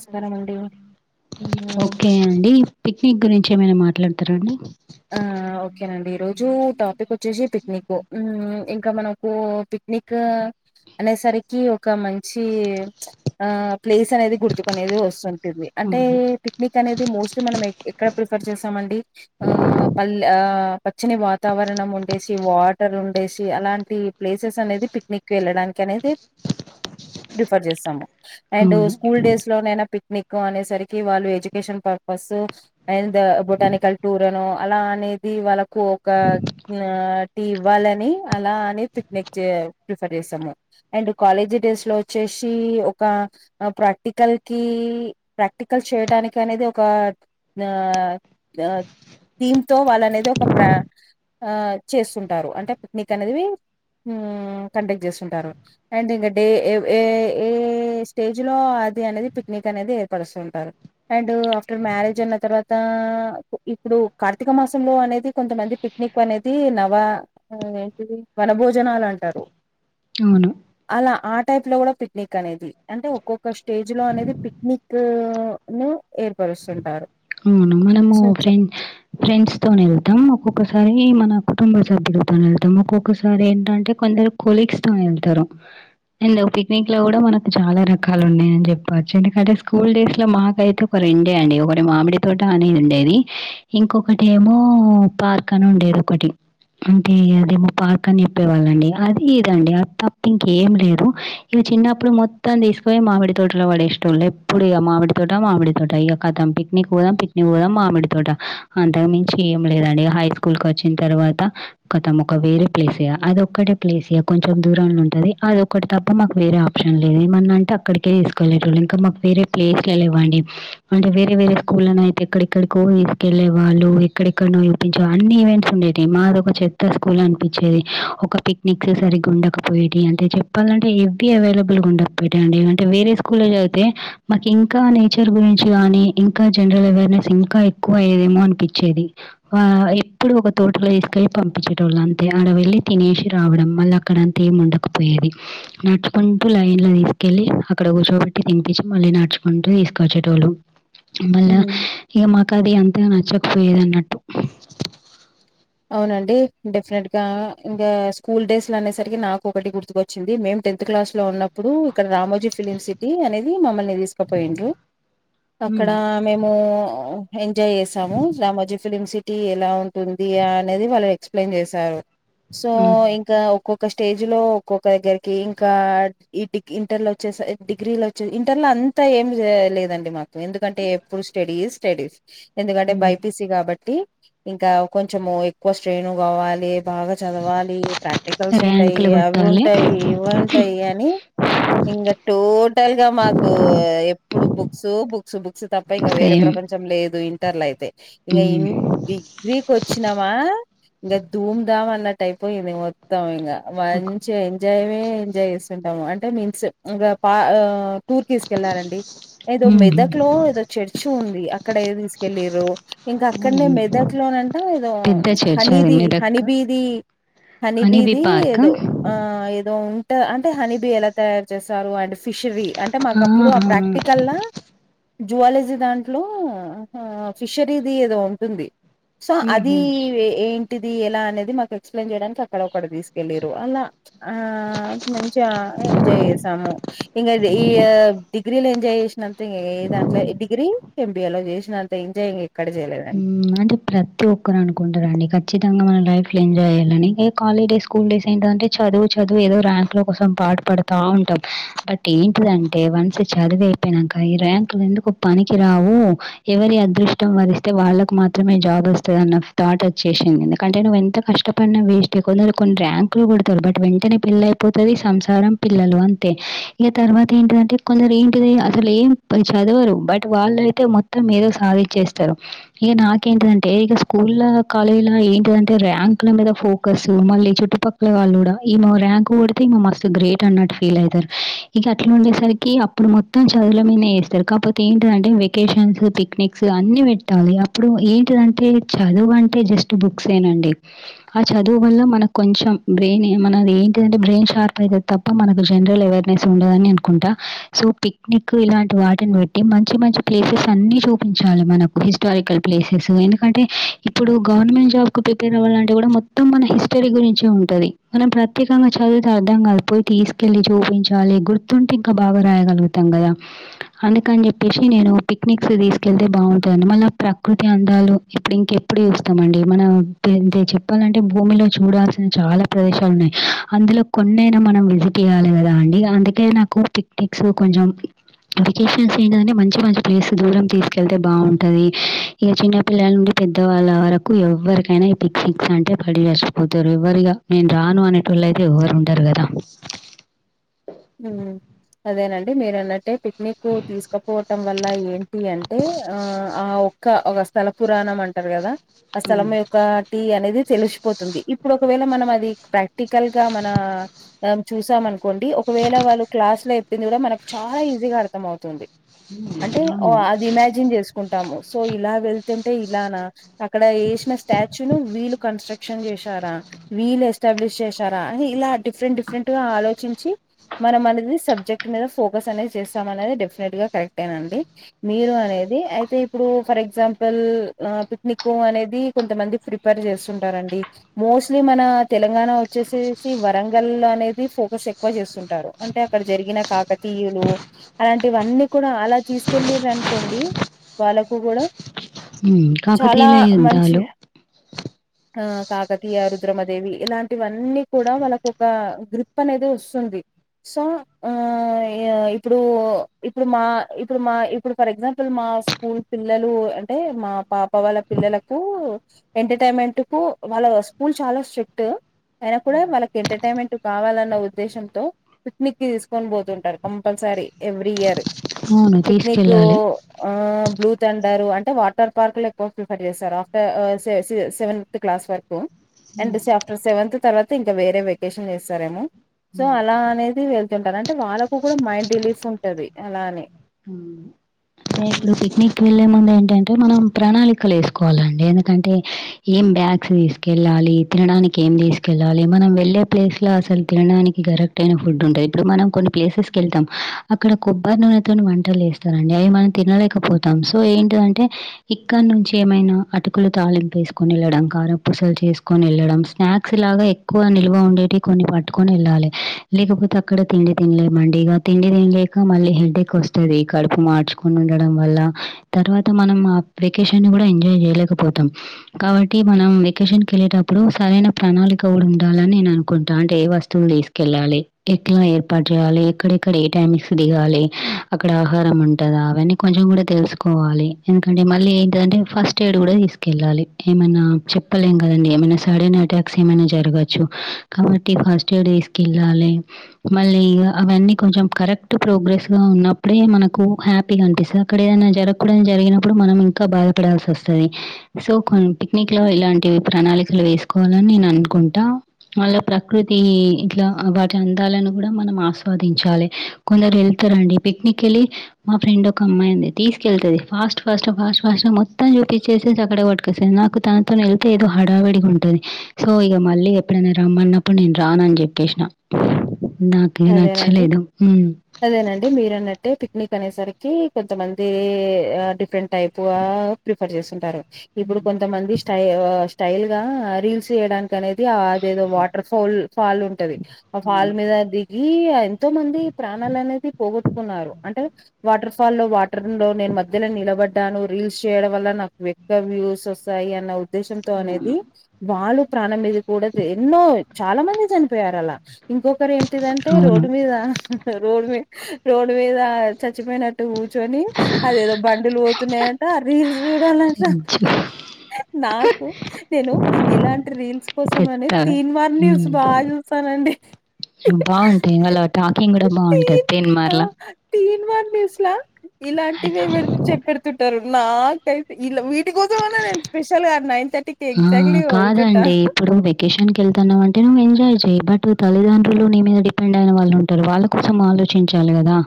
నమస్కారం అండి హ్మ్. ఓకే అండి పిక్నిక్ గురిం చి ఏమైనా మాట్లాడతారా అండి ఆ ఓకేన అండి ఈ రోజు టాపిక్ వచ్చేసి పిక్నిక్కు మ్ ఇ ఇంకా మనకు పిక్నిక్ అనేసరకి ఒక మంచి ఆ ప్లేస్ అనేది గుర్తుకు అనేది వస్తు ఉంది అంటే అవును పిక్నిక్ అనేది మోస్ట్లీ మనం ఎక్కడ ప్రిఫర్ చేసామ అండి ఆ పల్ ఆ పచ్చని వాతావరణం ఉండేసి వాటర్ ఉండేసి అలాంటి ప్లేస్ పిచ్చస్ అనేది పిక్నిక్ వెళ్ళడానికి అనేది రిఫర్ చేస్తాము అండ్ అవును స్కూల్ డేస్ లోనైనా పిక్నిక్ అనేసరికి వాళ్ళు education purpose and the botanical tour అను అలా అనేది వాళ్ళకు ఒక నా ఇవ్వాలని అలా అని ఫిట్నిక్ ప్రిఫర్ చేస్తాము అండ్ కాలేజ్ డేస్ లో వచ్చే షి ఒక ప్రాక్టికల్ కి ప్రాక్టికల్ చేయటానికి అనేది ఒక దా నాక్ థీమ్ తో వాళ్ళు అనేది ఒక ప్ర ఆ చేస్తుంటారు అంటే పిక్నిక్ అనేదివి మ్ కండక్ట్ చేస్తు ఉంటారు అండ్ ఇంకా డే ఏ ఏ స్టేజ్ లో ఆ అది అనేది పిక్నిక్ అనేది ఏర్పడుస్తు ఉంటారు అండ్ ఆఫ్టర్ మ్యారేజ్ ఉన్న తర్వాతా ఇప్పుడు కార్తీక మాసంలో అనేది కొంతమంది పిక్నిక్ అనేది నవ ఏంటి వనభూ భోజనాలు అంటారు అవును అలా ఆట్ టైప్ లో కూడా పిక్నిక్ అనేది అంటే ఒక్కొక్క స్టేజ్ లో అనేది పిక్నిక్ ను ఏర్పడుతు చూస్తుఉంటారు అవును మనము ఫ్రెండ్స్ ఫ్రెండ్స్ తోనే ఉంటామ్ ఒక్కొ ఒక్కసారి ఈ మన కుటుంబ సభ్యులతో వెళ్తాము ఒక్కొ ఒక్కసారి ఏంట అంటే కొంద కొలీగ్స్ తోనే వెళ్తారు ఎందు పిక్నిక్ లో కూడా మనకు చాలా రకాలు ఉన్నాయ అని చెప్పవచ్చు ఎందుకంటే స్కూల్ డేస్ లో మాక్ అయితే పిండే అండి ఒకడ్ అంటే మామిడి తోట అనేది ఉండేది ఇంకొ బకటి ఏమో పార్క్ అని ఉండేది ఒకటి అంటే ఇగ అదేమో పార్క్ అని చెప్పేవాళ్ళ అండి అది ఇద అండి ఇగ తప్ప ఇంకేం లేదు చిన్న అప్పుడు మొత్తం తీసుకోపోయి మామిడి తోటలో పడేస్తు ఉండు ఎప్పుడు ఇగ మామిడి తోట మామిడి తోట ఇక కదంపి పిక్నిక్ పోదాం పిక్నిక్ పోదాం మామిడి తోట అంత మించి ఏమ్ లేద అండి ఇగ హై స్కూల్ కోచ్చిన తర్వాత కతం ఒక వేరే ప్లేశయా అదొ ఒక్కటే ప్లేశయా కొంచెం దూరంలో ఉంట అది అదొ ఒక్కటి తప్ప మాకు వేరే ఆప్ షన్ లేదు ఏమ అంటే అక్కడికే తీసుకెళ్లేటోల్లు ఇంకా మాకు వేరే ప్లేస్లే లేవఅండి అంటే వేరే వేరే స్కూల్ లన అయితే ఎక్కడ్ ఎక్కడ్ కో తీసుకెళ్లే వాళ్ళు ఎక్కడ ఎక్కడనో చూపించ అన్ని ఈవెంట్స్ ఉండేటి మాది ఒక చెట్ట పెద్ద స్కూల్ అనిపించేది ఒక పిక్నిక్ సరిగ్గ ఉండకపోయేటి అంటే చెప్పాల అంటే ఎవ్వి అవైలబుల్ కల్లుగుండపోయి తాయి అండి అంటే వేరే స్కూల్ల్లో చదివితే మాకు ఇంకా నేచర్ గురించి కాని ఇం ఇంకా జనరల్ అవేర్నెస్ ఇంకా ఎక్కువ అయ్యేదేమో అనిపిచ్చేది ఆ ఎప్పుడు ఒక తోటలో ఏస్తే పంపించేటోళ్ళు అంతే ఆడ వెళ్ళి తినేసి రావడం మళ్ళీ అక్కడ అంతా ఏం ఉండకపోయేది నడుచుకుంట్ ఇంపు లైన్ లో తీసుకెళ్లి అక్కడ కూర్చోబట్టి తినిపించి మళ్ళీ నడుచుకుంటూ తీసుకవచ్చే ఏటోళ్ళు మళ్ళా హ్మ్. ఇక మాకు అది అంతగ నచ్చకపోయేది అన్నట్టు అవున అండి డెఫినెట్ గా ఇంకా స్కూల్ డేస్ అనేసరికి నాకు ఒకటి గుర్తుకొచ్చింది మేంమ్ టెత్ క్లాస్ లో ఉన్న అప్పుడు ఇక్కడ రాము జి ఫిలిం సిటీ అనేది మమ్మల్ని తీసుకుపోయిండ్రు హ్మ్. అక్కడ మేము ఎంజాయ్ చేసాము రామోజీ ఫిలిమ్ సిటీ ఎలా ఉంటుంది అనేది వాళ్ళు ఎక్స్ప్లెయిన్ చేశారు సో హ్మ్. ఇంకా ఒక్కొక్ ఒక స్టేజ్ లో ఒక్కొక్క దగ్గరికి ఇంకా ఇటి ఇంటర్ లో వచ్చే డిగ్రీ వచ్చే ఇంటర్ లో అంతా ఏం లె లేదండి మా కు ఎందుకంటే ఎప్పుడు స్టడీ స్టడీస్ ఎందుకంటే హ్మ్. బైపీసి కాబట్టి ఇంకా కొంచెం ఎక్కువ స్ట్రేను కావాలి బాగా చదవాలి ప్రాక్టికల్స్ ఉంటాయి ర్యాంకులు అవి కొట్టాలి. ఉంటాయి ఇవి ఉంటాయి అని ఇంకా టోటల్ గా మాకు ఎప్పుడు బుక్స్ బుక్స్ బుక్స్ తప్ప ఇంకా వేరే ప్ర సేమ్. ప్రపంచం లేదు ఇంటర్ల అయితే ఇంక హ్మ్. ఇ డిగ్రీ కొ ఆ ఇంగ ధూం ధాం అన్నటైపోయింది మొత్తం ఇంగ ఓకే. మంచి ఎంజాయే ఎంజాయ్ చేస్తుంటాము అంటే మీన్స్ ఇంకా పా ఆ టూర్ కి తీసుకెళ్లారండి ఏదో హ్మ్. మెదక్ లో ఏదో చర్చ ఉంది అక్కడ ఏదో తీసుకెల్లిరు ఇంకా అక్కడనే హ్మ్. మెదక్ లోనం ఏదో పెద్ద చర్చ్ అది హనీది హని మెదక్. బీది హని హనీబీ బీది పార్కా? ఏదో ఆ ఏదో ఉంటా అంటే హని బి ఎలా తయారు చేసారు అండ్ ఫిష్ వి అంటే మాకుప్పుడు ఆ ఆహా! ప్రాక్టికల జువాలజీ దాంట్లో ఫిషరీది ఏదో ఉంటుంది సో అది హుహు. ఏంటిది ఎలా అనేది మాకు ఎక్స్ప్లెయిన్ చేయడానికి అక్కడ ఒ తీసుకెల్లిరు అలా ఆ మంచిగా ఎంజాయ్ చేసాము ఇంగ డిగ్రీలో ఎంజాయ్ చేసినంత ఇంగ ఏ దాంట్లో డిగ్రీ ఎంబిఏ లో చేసినంత ఎంజాయ్ ఎక్కడ చేయలేదండి. ఉ అంటె ప్ర ప్ర ఒక్కరు అనుకుంటారండి ఖచ్చితంగా మన లైఫ్లో ఎంజాయ్ చేయాలని ఎ కాలజ్ డేస్ స్కూల్ డేస్ ఏంటి అంటే చదువు చదువు ఏదో ర్యాంక్ లో కోసం పాటు పడుతా ఉంటాం బట్ ఏంటిదంటే వన్స్ చదివి అయిపోయినాంక ఈ ర్యాంకులు ఎందుకు పనికి రావు ఎవరి అదృష్టం వరిస్ తె వాళ్ళకు మాత్రమే జాబ్ వస్తుందన్న థాట్ వచ్చేసింది ఎందుకంటే నువ్వు ఎంత కష్టపడినా వేస్టే కొందరు ర్యాంకులు కొడతడు బట్ వెంటనే పెల్లయిపోతుంది సంసారం పిల్లలు అంతే ఇక తర్వాత ఏంటిదం అంటే కొందరు ఏంటిది అసలు ఏం చదవరు బట్ వాళ్ళుయితే మొత్తం ఏదో సాధించేస్తారు ఇగ నాకేంటిదంటే ఇక స్కూల్ కాలేజీ ఏంటిదంటే ర్యాంక్ ల మీద ఫోకస్ చుట్టుపక్కల వాళ్ళు కూడా ఈమో ర్యాంక్ పడితే మస్తు గ్రేట్ అన్నటు ఫీల్ అవుతారు ఇగ అట్లుండే సరికి అప్పుడు మొత్తం చదువుల మీద వేస్తారు కాకపోతే ఏంటంటే వెకేషన్స్ పిక్నిక్స్ అన్ని పెట్ ట్టాలి అప్పుడు ఏంటిదంటే చదువు అంటే జస్ట్ బుక్స్ ఏనండి ఆ చదువు వల్ల మన కొంచెం బ్రెయినే మనది ఏంటింటే బ్రెయిన్ షార్ప్ అయితది తప్ప మనకు జనరల్ అవేర్నెస్ ఉండదని అనుకుంటా సో పిక్నిక్ ఇలాంటి వాటిని బెట్టి మంచి మంచి ప్లేసెస్ అన్ని చూపించాలి మనం హిస్టారికల్ ప్లేసెస్ ఎందుకంటే ఇప్పుడు గవర్నమెంట్ జాబ్ కు ప్రిపేర్ అవ్వాలంటే కూడా మొత్తం మన హిస్టరీ గురించి ఉంటది మనం ప్రత్యేకంగా చదువితే అర్థం కాలిక పోయి తీసుకెళ్ళి చూపించాలి గుర్తుంటే ఇంకా బాగా రాయగలుగుతాం కదా అందుకని చెప్పేసి నేను పిక్నిక్స్ తీసుకెళ్తే బాం మళ్ళ ప్రకృతి అందాలు ఇప్పుడు ఇంకెప్పుడు చూస్తామండి మనం చెప్పాలంటే భూమిలో చూడాల్సిన చాలా ప్రదేశాలు ఉన్నాయి అందులో కొన్నైనా మనం విజిట్ చేయాలి కదా అండి అందుకే పిక్నిక్స్ కొంచం వెకేషన్స్ ఏ మంచి మంచి ప్లేస్ దూరం తీసుకెళ్తే బా ఉంటది ఇగ చిన్నపిల్లల నుండి పెద్ద వాళ్ళ వరకు ఎవరికైనా ఈ పిక్నిక్స్ అంటే పడిచ్చ తరు ఎవ్వరిగా నేను రాను అనేటోళ్ళయితే ఎవ్వరు ఉంటరు కదా హ్మ్. అదేనండి మీరన్నట్టే పిక్నిక్ తీసుకపోవటం వల్ల ఏంటి అంటే ఆ ఆ ఒక స్థల పురాణం అంటారు కదా ఆ స్థలం యొక్క టీ అనేది తెలిసిపోతుంది ఇప్పుడు ఒకవేళ మనం అది ప్రాక్టికల్ గా మన చూసాం అనుకోండి ఒకవేళ వాళ్ళు క్లాస్ లో ఎప్పింది కూడా మనకు చాలా ఈజీ గా అర్థం అవుతుంది అంటేఓ అవును. అది ఇమాజిన్ చేసుకుంటాము సో ఇలా వెళ్తుంటే ఇలా నా అక్కడ వేసిన స్టాచ్యూను వీలు కన్స్ట్రక్ట్ క్షన్ చేసారా వీలు ఎస్టాబ్లిష్ చేసారా అని ఇలా డిఫరెంట్ డిఫరెంట్ గా ఆలోచించి మనం అనేది సబ్జెక్ట్ మీద ఫోకస్ అనేది చేస్తామ అనేది డెఫినెట్ గా కరెక్టే నండి మీరు అది అయితే ఇప్పుడు ఫర్ ఎగ్జాంపుల్ పిక్నిక్ అనేది కొంతమంది ప్రిపేర్ చేస్తుంటారు స్తారండి మోస్ట్లీ మన తెలంగాణ వచ్చేసేసి వరంగల్ అనేది ఫోకస్ ఎక్కు కువా చేస్తుంటారు అంటే అక్కడ జరిగిన కాకతీయులు అలాంటివన్నీ కూడా అలా తీసుకెళ్లి అనుకోండి వాళ్ళకు కూడా హ్మ్. చాలా కాకతీయుల మంచి యుద్ధాలు ఆ కాకతీయ రుద్రమదేవి ఇలాంటివన్నీ కూడా వాళ్ళకు ఒక గ్రిప్ అనేది వస్తుంది సో ఆ ఇప్పుడు ఇప్పుడు మా ఇప్పుడు మా ఇప్పుడు ఫర్ ఎగ్జాంపుల్ మా మా స్కూల్ పిల్లలు అంటే మా పాప వాళ్ళ పిల్లలకు ఎంటర్టైన్మెంట్ ఇటుకు వాళ్ళ స్కూల్ చాలా స్ట్రిక్ట్ అయినా కూడా వాళ్ళకి ఎంటర్టైన్మెంట్ కావాలన్న ఉద్దేశంతో పిక్నిక్ కి తీసుకొని పోతుంటారు కంపల్సరీ సరి ఎవ్రీ ఇయర్ అవును. పిసినికో తీసుకెళ్ళాలి. ఆ బ్లూ తొందరు అంటే వాటర్ పార్క్ లో ఎక్కువ ప్రిల్ఫర్ చేస్తారు ఆఫ్టర్ సే సె సెవెన్త్ క్లాస్ వరకు అండ్ ఆఫ్టర్ సెవెంత్ తర్వాత ఇంకా వేరే వెకేషన్ చేస్తారేమో సో అలా అనేది వెళ్తుంటారు అంటే వాళ్ళకు కూడా మైండ్ రిలీఫ్ ఉంటది అలా అని ఆ అంటే ఇప్పుడు పిక్నిక్ వెళ్ళలే ముందు ఏంటంటే మనం ప్రణాళికలు వేసుకోవాలండి ఎందుకంటే ఏం బ్యాగ్స్ తీసుకెళ్ళాలి తినడానికి ఏం తీసుకెళ్ళాలి మనం వెళ్ళే ప్లేస్ లో అసలు తినడానికి దొరక ఫుడ్ ఉంటది ఇప్పుడు మనం కొన్ని ప్లేసెస్కి వెళ్తాం అక్కగా కొబ్బరి నునా ని వంటలు వేస్తారండి అవి మనం తినలేకపోతాం సో ఏంటివి అంటే ఇక్కడ నుంచి ఏమైనా లు తాలింపు వేసుకొని వెళ్లడం కారం పూసలు చేసుకొని వెళ్లడం స్నాక్స్ లాగా ఎక్కువ నిల్వ ఉండేటి కొన్ని పట్టుకొని వెళ్ళాలే లేకపోతే అక్కడ తిండి తినలేమండి ఇగా తిండి తినలేక మళ్ళీ హెడ్ఏక్ కోస్తాది కడుపు మార్చుకుని ఉండడం వల్ల తర్వాత మనం ఆ వెకేషన్నీ కూడా ఎంజాయ్ చేయలేక కపోతాం కాబట్టి మనం వెకేషన్కి వెళ్ళేటప్పుడు సరైన ప్రణాళిక కూడా ఉండాలని నేను అనుకుంటా ఎట్లా అంటే ఏ వస్తువులు తీసుకెళ్ళాలి ఎట్లా ఏర్పాటు చేయాలి ఎక్కడెక్కడ ఏ టైమిక్స్ దిగాలి అక్కడ ఆహారం ఉంటదా అవన్నీ కొంచెం కూడా తెలుసుకోవాలి ఎందుకంటే మళ్ళీ ఏంటంటే ఫస్ట్ ఎయిడ్ కూడా తీసుకెళ్ళాలి ఏమనా చెప్పలేం కదండి ఏమైనా సడన్ అటాక్స్ ఏమైనా జరగచ్చు కాబట్టి ఫస్ట్ ఎడ్ వేసుకెళ్ళాలి మళ్ళీ అవన్నీ కొంచెం కరెక్ట్ ప్రోగ్రెస్లో ఉన్న అప్పుడే మనకు హ్యాపీగా అనిపిస్తది అక్కడ ఏదైనా జరగకుడానీ జరిగినప్పుడు మనం ఇంకా బాధపడాల్సి వస్తది సో కొన్ని పిక్నిక్ లో ఇలాంటి ప్రణాళికలు వేసుకోవాలని నేను అనుకుంటా వాళ్ళ ప్రకృతి ఇట్లా వాటి అందాలను కూడా మనం ఆస్వాదించాలి కొందరు వెళ్తారండి పిక్నికి వెళ్ళి మా ఫ్రెండ్ ఒక అమ్మాయింది తీకెళ్తుంది ఫాస్ట్ ఫాస్ట్గా ఫాస్ట్ ఫాస్ట్గా మొత్తం చూపించేసి అక్కడే పటుకొస్తంది నాకు తనతో వెళ్తే ఏదో హడావిడిగా ఉంటది సో ఇక మళ్ళీ ఎప్పుడైనా రమ్మన్న ఇప్పుడు నేను రాను అని చెప్పేసిన నాకు ఎ అదేనండి నచ్చలేదు అంటే పిక్నిక్ అనేసరికి కొంతమంది డిఫరెంట్ టైప్గా ప్రిఫర్ చేస్తుంటారు ఇప్పుడు కొంతమంది స్టై స్టైల్ గా రీల్స్ చేయడానికి అనేది అదేదో వాటర్ ఫోల్ ఫాల్ ఉంటది ఆ ఫాల్ మీద దిగి ఎంతో మంది ప్రాణాలు అనేది పోగొట్దు కున్నారు అంటే వాటర్ ఫాలో వాటర్ లో నేను మధ్యలో నిలబడ్డాను రీల్స్ చేయడం వల్ల నాకు ఎక్కువ వ వ్యూస్ వస్తాయి అన్న ఉద్దేశంతో అనేది వాళ్ళు ప్రాణం మీద కూడా ఎన్నో చాలా మంది చనిపోయారు అలా ఇంకొకరు ఏంటి టిదంటే అవును. రోడ్డు మీద రోడ్ మీ రోడ్డు మీద చచ్చిపోయినట్టు కూర్చొని అదేదో బండులు పోతున్నాయంట రీల్స్ చూడాలన్న నిజం. నాకు నేను ఇలాంటి రీల్స్ కోసమని చెప్తాగా. తీన్మార్ న్యూస్ బాగా చూస్తానండి బావుంటయి వాళ్ళ టాకింగ్ కూడా బావుంటది తిన్మార్ల స్ల ఇలాంటివి విల్ చె పెడుతుంటారు నాకైతే ఇళ్ళ వీటి కోసం అన్నా నేను స్పెషల్ గా నైన్ టెన్ ఆ కాదండి ఇప్పుడు వెకేషన్కి ఎళ్తన్నావంటే నువ్వు ఎంజాయ్ చె బట్ తల్లిదండ్రులు నీ మీద డిపెండ్ అయిన వాళ్ళు ఉంటారు వాళ్ళ కోసం ఆలోచించాలి కదా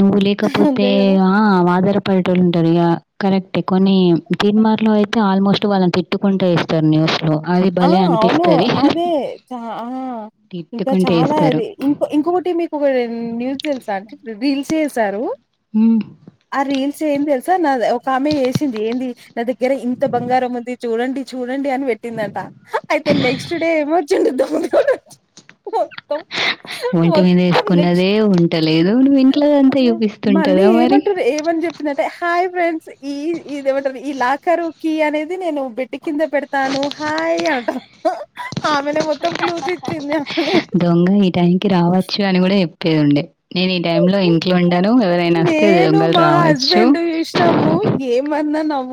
నువ్వు లేకపోతే అంతే కదా ఆ వాదర్ పల్లెటూర్లో ఉంటరుగ కరెక్టే కొన్ని తిన్మార్ అయితే ఆల్మోస్ట్ వాళ్ళని పె ఎత్తుకుంటే ఎస్తారు న్యూస్ ఆ అవును అదే చ ఆ ఇంకా తిట్టుకుంటే చాలా ఏస్తారు. అది ఇ ఇంకొకటి మీకు ఒక న్యూస్ తెలుసా ఆంటి రీల్స్ చేసారు హ్మ్ ఆ రీల్స్ ఏంది తెలుసా నా ఒక ఆమె వేసింది ఏంది నా దగ్గర ఇంత బంగారం ఉంది చూడండి చూడండి అని పెట్టిందంట అయితే నెక్స్ట్ డే ఏమో మొత్తం ఒంటి మీద మొత్తం ఏసుకున్నదే నెక్స్ట్ ఉంట లేదు. నువ్వు ఇంట్లోదంతా మళ్ళీ చూపిస్తుంటదా మరి? ఏమంటుర్రు ఏమ జేప్తుతున్నట్టే హాయ్ ఫ్రెండ్స్ ఈ ఇదేమంటరు ఈ లాకర్ కీ అనేది నేను బెడ్ కింద పెడతాను హాయ్ అంటా ఆమెనే మొత్తం క్లూస్ ఇచ్చింది అని దొంగ ఈ టైంకి రావచ్చు అని కూడా చెప్పేది ఉండే నేను ఈ టైమ్ లో ఇంట్లో ఉండను ఎవరైనా వస్తే నేను దొంగలు మా రావచ్చు అందన్నం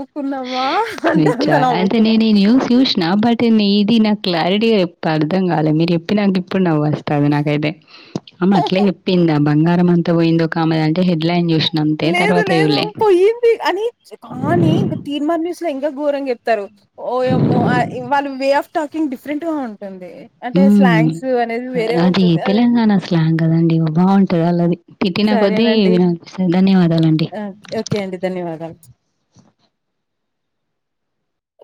విచా అంటే నేను ఈ న్యూస్ చూసిన బట్ ఇది నాకు క్లారిటీగా చెప్పు అర్థం కాలేదు మీరు చెప్పి నాకు ఇప్పుడు నవ్వు వస్తది నాక అయితే అమె అట్లే చెప్పింది ఆ బంగారం అంతా పోయింద ఒక ఆమె అంటే హెడ్లైన్ చూసి లేదు లేదు పోయింది అని కానీ ఇంక తీన్మార్ న్యూ అస్సల ఇంకా ఘరంగా చెప్తారు ఓయమ్మో అ వాళ్ళ వే ఆఫ్ టాకింగ్ డిఫరెంట్ గ ఉ రందే అంటే హ్మ్. స్లేంగ్స్ అనేది వేరే అది ఉంటుంది అద తెలంగాణ స్లాంగ్ కదండీ! బావుంటది ఆళ్ళది. తిట్టిన కొద్దీ సరేనండి వినాలనిపిస్తది. ధన్యవాదాలండి. ఓకే అండి ధన్యవాదాలు